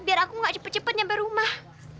biar aku gak cepet cepet sampai rumah